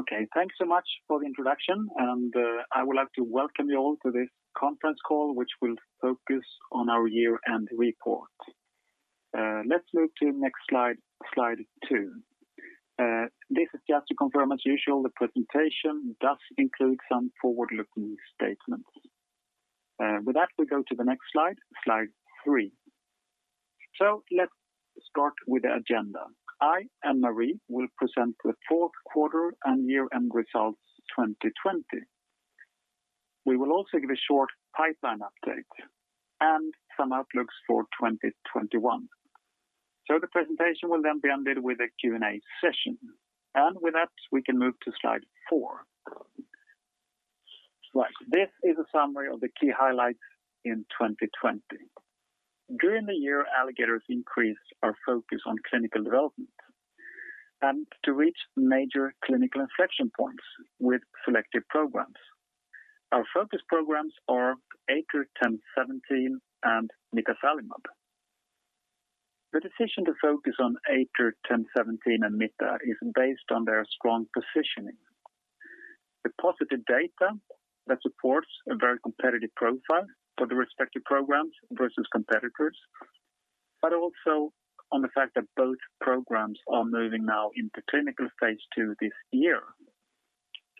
Okay. Thanks so much for the introduction. I would like to welcome you all to this conference call, which will focus on our year-end report. Let's move to next slide two. This is just to confirm, as usual, the presentation does include some forward-looking statements. With that, we go to the next slide three. Let's start with the agenda. I and Marie will present the fourth quarter and year-end results 2020. We will also give a short pipeline update and some outlooks for 2021. The presentation will then be ended with a Q&A session. With that, we can move to slide four. This is a summary of the key highlights in 2020. During the year, Alligator increased our focus on clinical development and to reach major clinical inflection points with selective programs. Our focus programs are ATOR-1017 and mitazalimab. The decision to focus on ATOR-1017 and mita is based on their strong positioning. The positive data that supports a very competitive profile for the respective programs versus competitors, also on the fact that both programs are moving now into clinical phase II this year.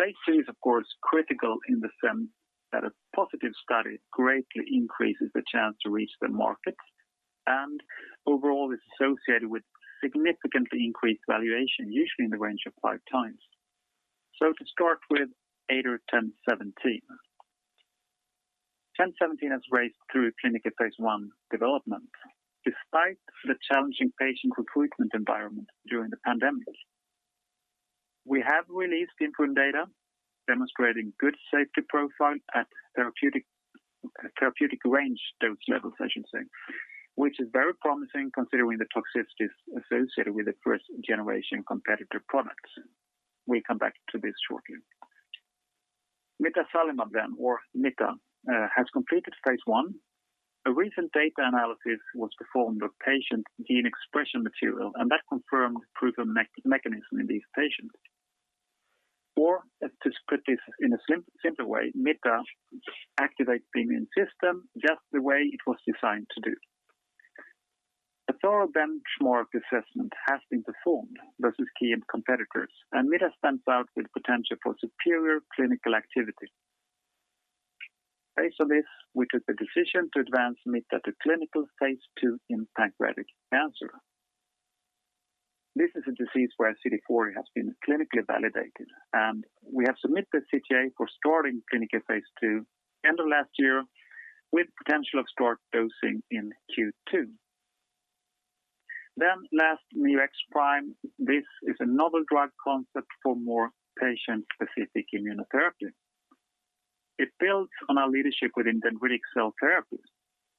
Phase II is, of course, critical in the sense that a positive study greatly increases the chance to reach the market and overall is associated with significantly increased valuation, usually in the range of five times. To start with ATOR-1017. 1017 has raised through clinical phase I development. Despite the challenging patient recruitment environment during the pandemic, we have released interim data demonstrating good safety profile at therapeutic range dose levels, I should say, which is very promising considering the toxicities associated with the first-generation competitive products. We come back to this shortly. mitazalimab, or mita, has completed phase I. A recent data analysis was performed on patient gene expression material, that confirmed proof of mechanism in these patients. To put this in a simpler way, mita activates the immune system just the way it was designed to do. A thorough benchmark assessment has been performed versus key competitors, mita stands out with potential for superior clinical activity. Based on this, we took the decision to advance mita to clinical phase II in pancreatic cancer. This is a disease where CD40 has been clinically validated, we have submitted CTA for starting clinical phase II end of last year, with potential of start dosing in Q2. Last, Neo-X-Prime. This is a novel drug concept for more patient-specific immunotherapy. It builds on our leadership within dendritic cell therapies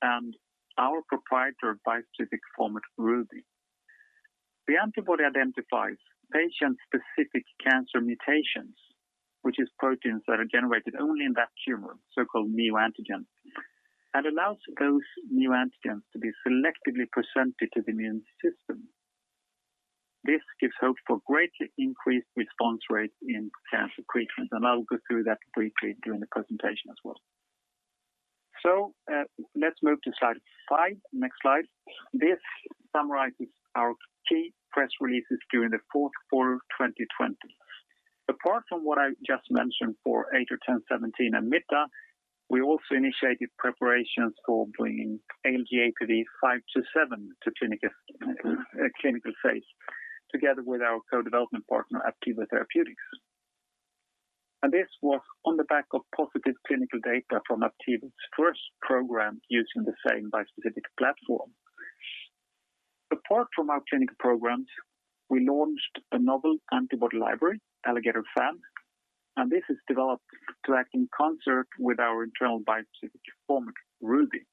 and our proprietary bispecific format, RUBY. The antibody identifies patient-specific cancer mutations, which is proteins that are generated only in that tumor, so-called neoantigens, and allows those neoantigens to be selectively presented to the immune system. This gives hope for greatly increased response rates in cancer treatment, and I'll go through that briefly during the presentation as well. Let's move to slide five. Next slide. This summarizes our key press releases during the fourth quarter of 2020. Apart from what I just mentioned for ATOR-1017 and mita, we also initiated preparations for bringing ALG.APV-527 to clinical phase, together with our co-development partner, Aptevo Therapeutics. This was on the back of positive clinical data from Aptevo's first program using the same bispecific platform. Apart from our clinical programs, we launched a novel antibody library, ALLIGATOR-FAB, and this is developed to act in concert with our internal bispecific format, RUBY.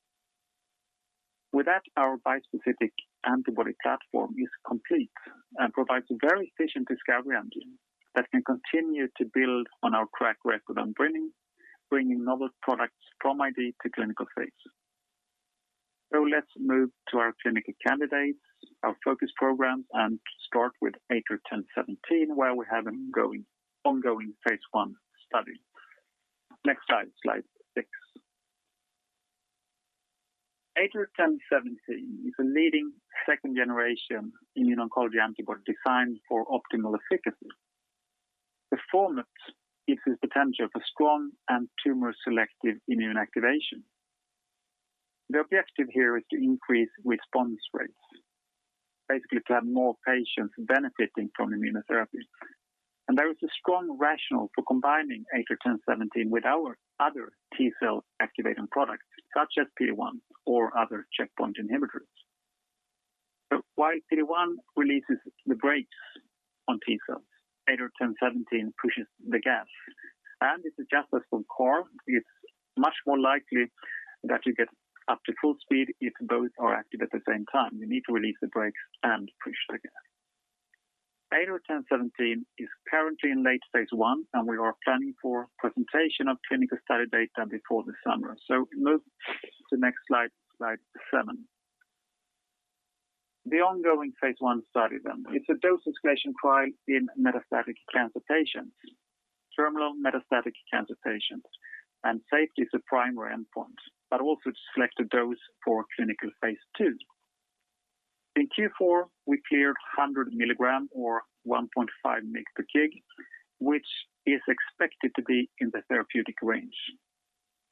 With that, our bispecific antibody platform is complete and provides a very efficient discovery engine that can continue to build on our track record on bringing novel products from IV to clinical phase. Let's move to our clinical candidates, our focus programs, and start with ATOR-1017, where we have an ongoing phase I study. Next slide six. ATOR-1017 is a leading second-generation immuno-oncology antibody designed for optimal efficacy. The format gives us potential for strong and tumor-selective immune activation. The objective here is to increase response rates, basically to have more patients benefiting from immunotherapy. There is a strong rationale for combining ATOR-1017 with our other T cell activating products, such as PD-1 or other checkpoint inhibitors. While PD-1 releases the brakes on T cells, ATOR-1017 pushes the gas. This is just as from core, it's much more likely that you get up to full speed if both are active at the same time. You need to release the brakes and push the gas. ATOR-1017 is currently in late phase I, and we are planning for presentation of clinical study data before the summer. We move to the next slide seven. The ongoing phase I study. It's a dose-escalation trial in metastatic cancer patients, terminal metastatic cancer patients, and safety is a primary endpoint, but also to select a dose for clinical phase II. In Q4, we cleared 100 mg or 1.5 mg per kg, which is expected to be in the therapeutic range.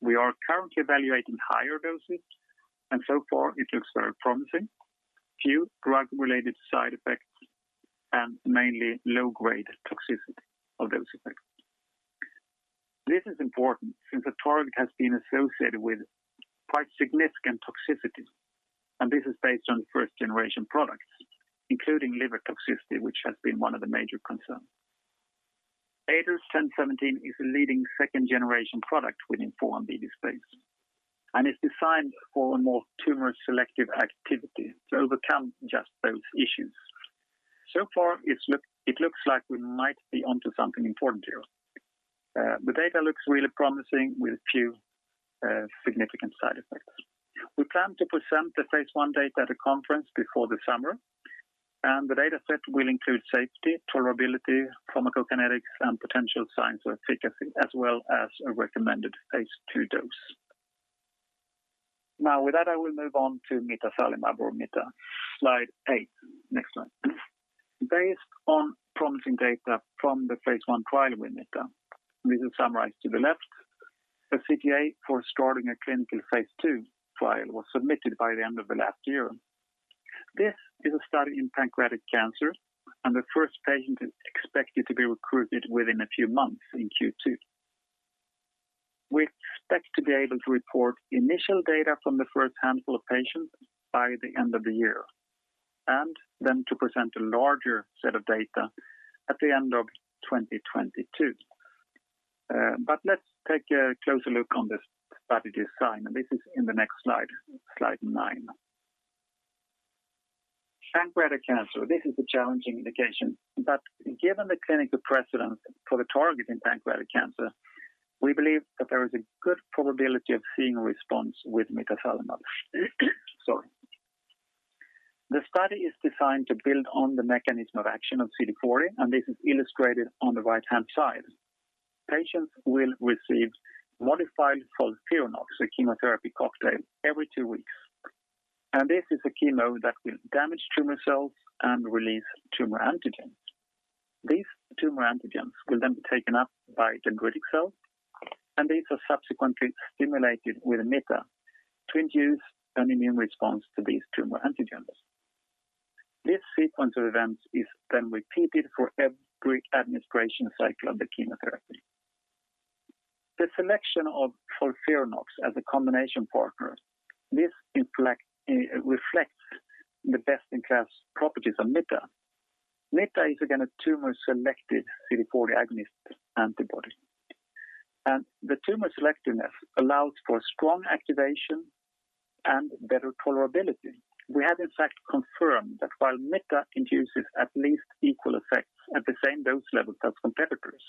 We are currently evaluating higher doses, and so far it looks very promising. Few drug-related side effects and mainly low-grade toxicity of those effects. This is important since the target has been associated with quite significant toxicity, and this is based on the first-generation products, including liver toxicity, which has been one of the major concerns. ATOR-1017 is a leading second-generation product within 4-1BB space, and is designed for a more tumor-selective activity to overcome just those issues. So far, it looks like we might be onto something important here. The data looks really promising with few significant side effects. We plan to present the phase I data at a conference before the summer, and the data set will include safety, tolerability, pharmacokinetics, and potential signs of efficacy, as well as a recommended phase II dose. Now, with that, I will move on to mitazalimab or mita. Slide eight. Next slide. Based on promising data from the phase I trial with mita, this is summarized to the left, a CTA for starting a clinical phase II trial was submitted by the end of the last year. This is a study in pancreatic cancer, and the first patient is expected to be recruited within a few months in Q2. We expect to be able to report initial data from the first handful of patients by the end of the year, and then to present a larger set of data at the end of 2022. Let's take a closer look on the study design, and this is in the next slide nine. Pancreatic cancer, this is a challenging indication, but given the clinical precedent for the target in pancreatic cancer, we believe that there is a good probability of seeing a response with mitazalimab. Sorry. The study is designed to build on the mechanism of action of CD40, and this is illustrated on the right-hand side. Patients will receive modified FOLFIRINOX, a chemotherapy cocktail, every two weeks. This is a chemo that will damage tumor cells and release tumor antigens. These tumor antigens will then be taken up by dendritic cells, and these are subsequently stimulated with mita to induce an immune response to these tumor antigens. This sequence of events is then repeated for every administration cycle of the chemotherapy. The selection of mFOLFIRINOX as a combination partner, this reflects the best-in-class properties of mita. mita is, again, a tumor-selected CD40 agonist antibody, and the tumor selectiveness allows for strong activation and better tolerability. We have, in fact, confirmed that while mita induces at least equal effects at the same dose levels as competitors,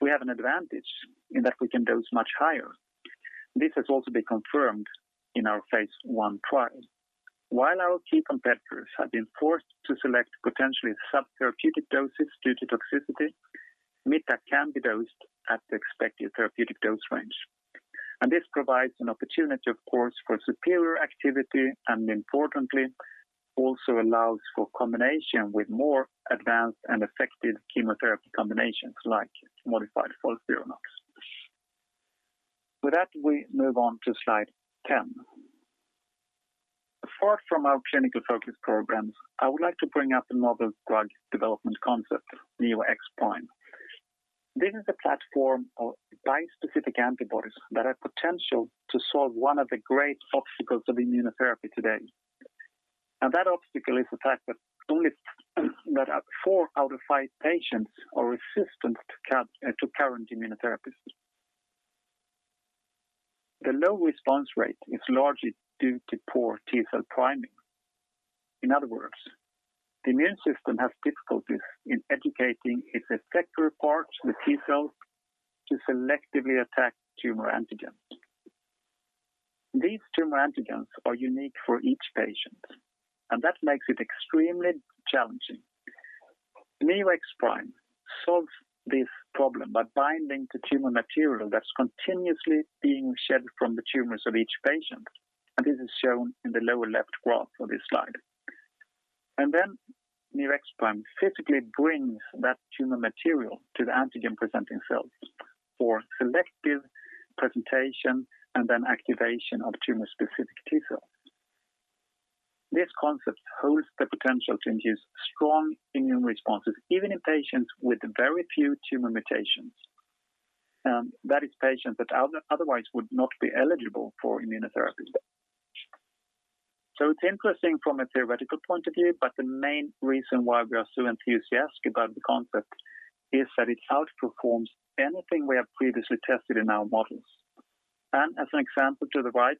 we have an advantage in that we can dose much higher. This has also been confirmed in our phase I trial. While our key competitors have been forced to select potentially subtherapeutic doses due to toxicity, mita can be dosed at the expected therapeutic dose range. This provides an opportunity, of course, for superior activity, and importantly, also allows for combination with more advanced and effective chemotherapy combinations like modified FOLFIRINOX. With that, we move on to slide 10. Apart from our clinical focus programs, I would like to bring up another drug development concept, Neo-X-Prime. This is a platform of bispecific antibodies that have potential to solve one of the great obstacles of immunotherapy today. That obstacle is the fact that four out of five patients are resistant to current immunotherapies. The low response rate is largely due to poor T cell priming. In other words, the immune system has difficulties in educating its effector parts, the T cells, to selectively attack tumor antigens. These tumor antigens are unique for each patient, that makes it extremely challenging. Neo-X-Prime solves this problem by binding to tumor material that's continuously being shed from the tumors of each patient, this is shown in the lower left graph of this slide. Neo-X-Prime physically brings that tumor material to the antigen-presenting cells for selective presentation and then activation of tumor-specific T cells. This concept holds the potential to induce strong immune responses, even in patients with very few tumor mutations. That is patients that otherwise would not be eligible for immunotherapy. It's interesting from a theoretical point of view, but the main reason why we are so enthusiastic about the concept is that it outperforms anything we have previously tested in our models. As an example to the right,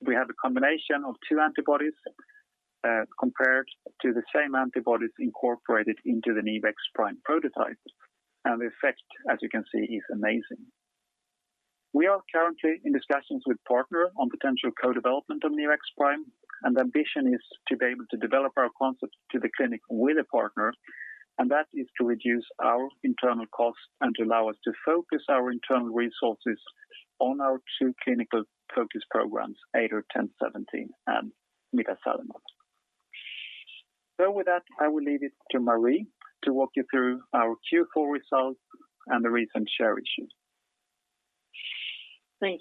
we have a combination of two antibodies, compared to the same antibodies incorporated into the Neo-X-Prime prototype. The effect, as you can see, is amazing. We are currently in discussions with partner on potential co-development of Neo-X-Prime, and the ambition is to be able to develop our concept to the clinic with a partner, and that is to reduce our internal costs and to allow us to focus our internal resources on our two clinical focus programs, ATOR-1017 and mitazalimab. With that, I will leave it to Marie to walk you through our Q4 results and the recent share issue. We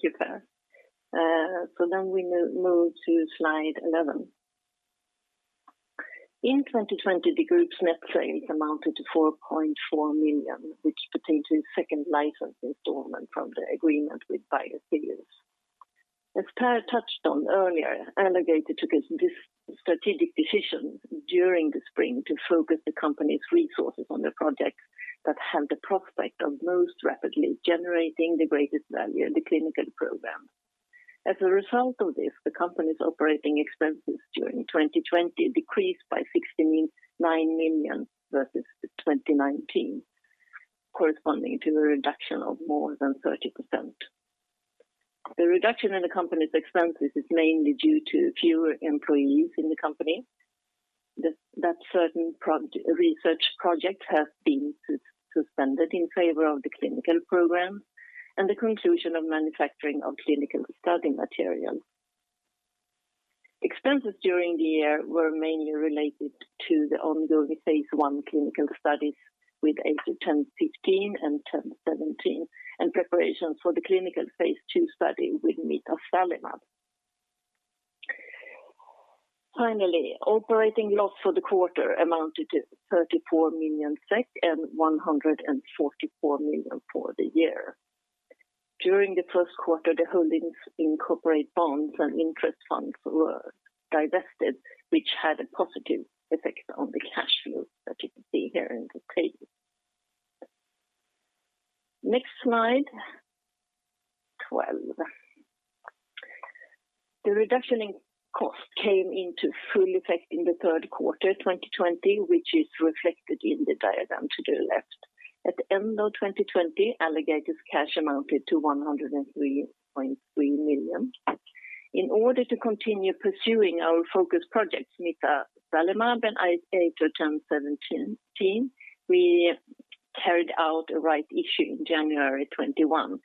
move to slide 11. In 2020, the group's net sales amounted to 4.4 million, which pertains to the second license installment from the agreement with Biotheus. As Per touched on earlier, Alligator took this strategic decision during the spring to focus the company's resources on the projects that had the prospect of most rapidly generating the greatest value in the clinical program. As a result of this, the company's operating expenses during 2020 decreased by 69 million versus 2019, corresponding to a reduction of more than 30%. The reduction in the company's expenses is mainly due to fewer employees in the company, that certain research projects have been suspended in favor of the clinical programs, and the conclusion of manufacturing of clinical study material. Expenses during the year were mainly related to the ongoing phase I clinical studies with ATOR-1015 and ATOR-1017, and preparations for the clinical phase II study with mitazalimab. Operating loss for the quarter amounted to 34 million SEK and 144 million for the year. During the first quarter, the holdings in corporate bonds and interest funds were divested, which had a positive effect on the cash flow that you can see here in the table. Next slide, 12. The reduction in cost came into full effect in the third quarter 2020, which is reflected in the diagram to the left. At the end of 2020, Alligator's cash amounted to 103.3 million. In order to continue pursuing our focus projects, mitazalimab and ATOR-1017, we carried out a right issue in January 2021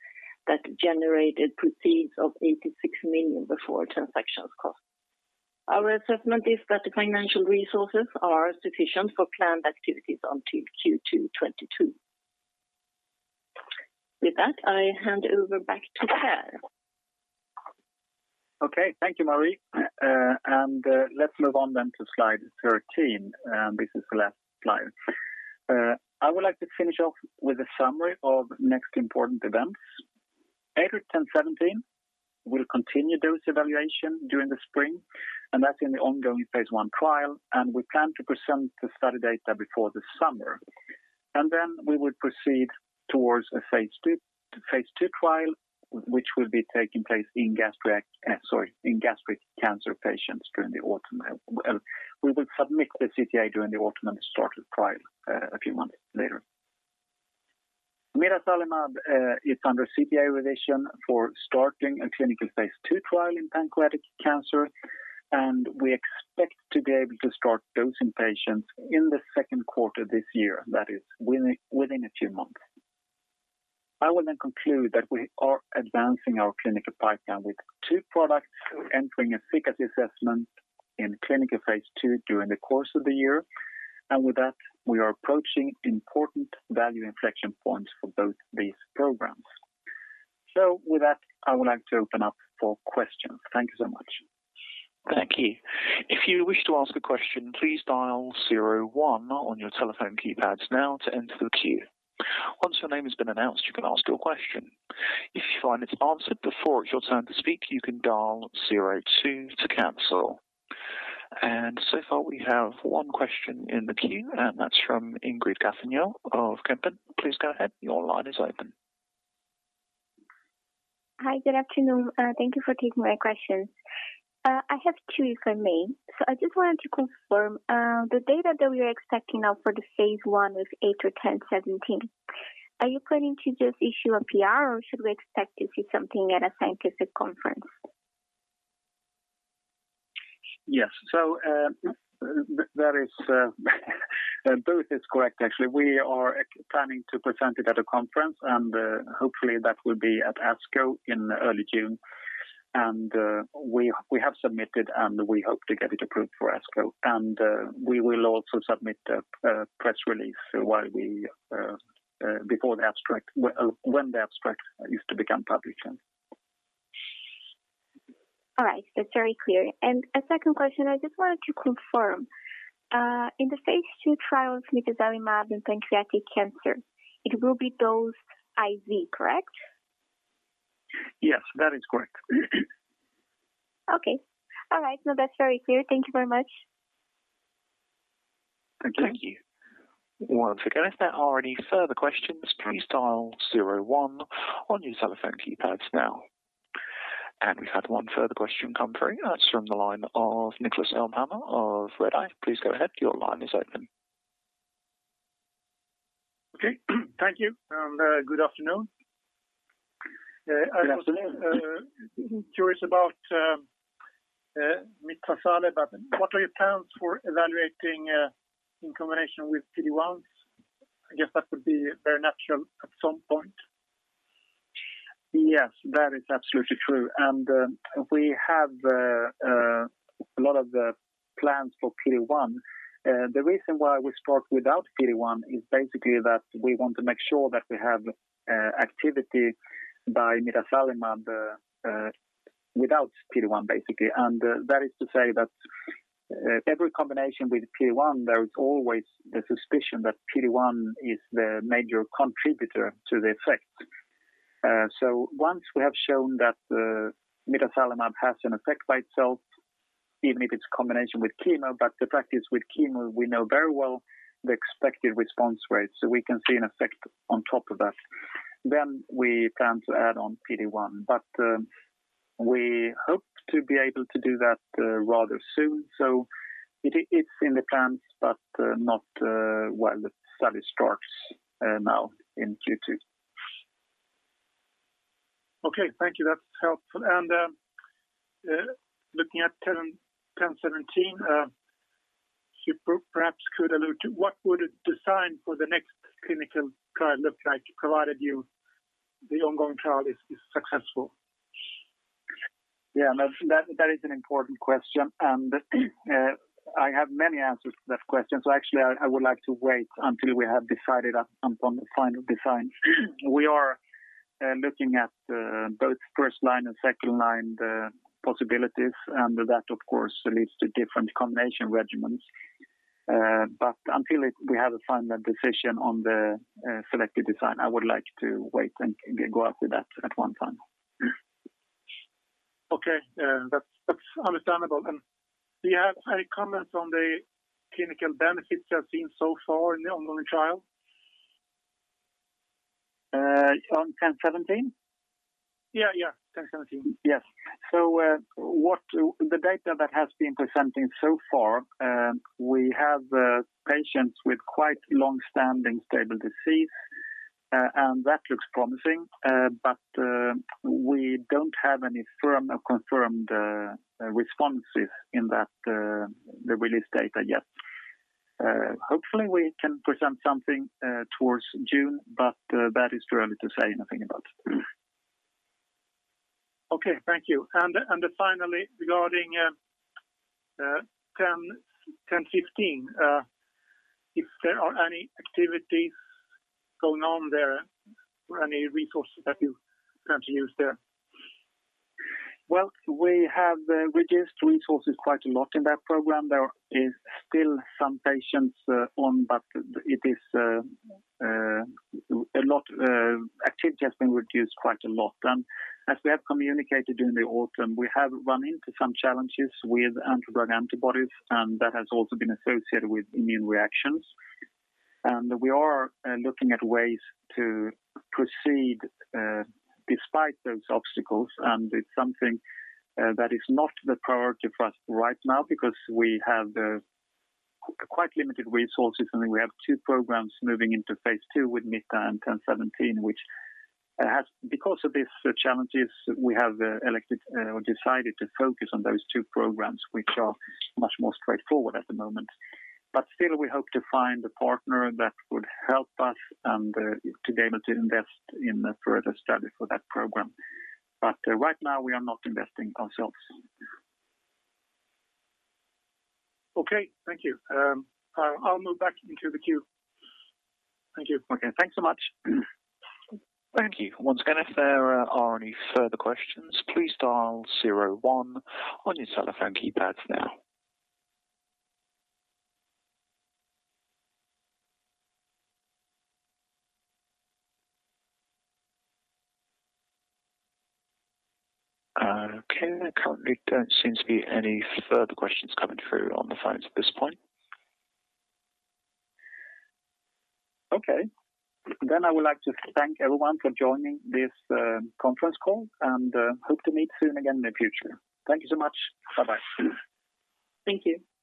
that generated proceeds of 86 million before transactions cost. Our assessment is that the financial resources are sufficient for planned activities until Q2 2022. With that, I hand over back to Per. Okay. Thank you, Marie. Let's move on then to slide 13. This is the last slide. I would like to finish off with a summary of next important events. ATOR-1017 will continue dose evaluation during the spring, and that's in the ongoing phase I trial, and we plan to present the study data before the summer. Then we will proceed towards a phase II trial, which will be taking place in gastric cancer patients during the autumn. We will submit the CTA during the autumn and start the trial a few months later. mitazalimab is under CTA revision for starting a clinical phase II trial in pancreatic cancer, and we expect to be able to start dosing patients in the second quarter this year. That is within a few months. I will then conclude that we are advancing our clinical pipeline with two products entering a efficacy assessment in clinical phase II during the course of the year. With that, we are approaching important value inflection points for both these programs. With that, I would like to open up for questions. Thank you so much. Thank you. If you wish to ask a question, please dial zero one on your telephone keypads now to enter the queue. Once your name has been announced, you can ask your question. If you find it's answered before it's your turn to speak, you can dial zero two to cancel. So far we have one question in the queue, and that's from Ingrid Gafanhão of Kempen. Please go ahead. Your line is open. Hi. Good afternoon. Thank you for taking my questions. I have two, if I may. I just wanted to confirm, the data that we are expecting now for the phase I with ATOR-1017, are you planning to just issue a PR or should we expect to see something at a scientific conference? Yes. Both is correct, actually. We are planning to present it at a conference, hopefully that will be at ASCO in early June. We have submitted, we hope to get it approved for ASCO. We will also submit a press release when the abstract is to become published then. All right. That's very clear. A second question, I just wanted to confirm. In the phase II trial of mitazalimab in pancreatic cancer, it will be dosed IV, correct? Yes, that is correct. Okay. All right. No, that's very clear. Thank you very much. Thank you. Thank you. Once again, if there are any further questions, please dial zero one on your telephone keypads now. We've had one further question come through. That's from the line of Niklas Elmhammer of Redeye. Please go ahead. Your line is open Okay. Thank you, and good afternoon. Good afternoon. I was curious about mitazalimab. What are your plans for evaluating in combination with PD-1s? I guess that would be very natural at some point. Yes, that is absolutely true. We have a lot of the plans for PD-1. The reason why we start without PD-1 is basically that we want to make sure that we have activity by mitazalimab without PD-1, basically. That is to say that every combination with PD-1, there is always the suspicion that PD-1 is the major contributor to the effect. Once we have shown that mitazalimab has an effect by itself, even if it's combination with chemo, but the fact is with chemo, we know very well the expected response rates, so we can see an effect on top of that. We plan to add on PD-1. We hope to be able to do that rather soon. It's in the plans, but not while the study starts now in Q2. Okay, thank you. That's helpful. Looking at ATOR-1017, you perhaps could allude to what would a design for the next clinical trial look like, provided the ongoing trial is successful? Yeah, that is an important question, and I have many answers to that question. Actually, I would like to wait until we have decided upon the final design. We are looking at both first-line and second-line possibilities, and that, of course, leads to different combination regimens. Until we have a final decision on the selected design, I would like to wait and go after that at one time. Okay. That's understandable. Do you have any comments on the clinical benefits you have seen so far in the ongoing trial? On 1017? Yeah. 1017. Yes. The data that has been presenting so far, we have patients with quite long-standing stable disease, and that looks promising. We don't have any firm or confirmed responses in the released data yet. Hopefully, we can present something towards June, but that is too early to say anything about. Okay. Thank you. Finally, regarding ATOR-1015, if there are any activities going on there or any resources that you plan to use there. Well, we have reduced resources quite a lot in that program. There are still some patients on, but activity has been reduced quite a lot. As we have communicated during the autumn, we have run into some challenges with anti-drug antibodies, and that has also been associated with immune reactions. We are looking at ways to proceed despite those obstacles. It's something that is not the priority for us right now because we have quite limited resources, and we have two programs moving into phase II with mita and ATOR-1017. Because of these challenges, we have elected or decided to focus on those two programs, which are much more straightforward at the moment. Still, we hope to find a partner that would help us and to be able to invest in further study for that program. Right now, we are not investing ourselves. Okay, thank you. I'll move back into the queue. Thank you. Okay. Thanks so much. Thank you. Once again, if there are any further questions, please dial zero one on your telephone keypads now. Okay. There currently don't seem to be any further questions coming through on the phones at this point. Okay. I would like to thank everyone for joining this conference call and hope to meet soon again in the future. Thank you so much. Bye-bye. Thank you.